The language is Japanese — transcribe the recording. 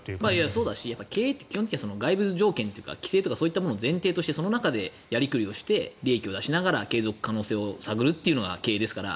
そうだし基本的には外部の条件というか規制というの前提としてその中でやりくりをして利益を出しながら継続可能性を探るというのが経営ですから